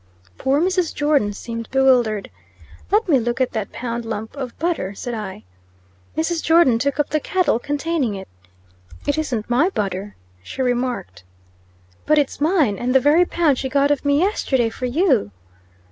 Poor Mrs. Jordon seemed bewildered. "Let me look at that pound lump of butter," said I. Mrs. Jordon took up the kettle containing it. "It isn't my butter," she remarked. "But it's mine, and the very pound she got of me yesterday for you."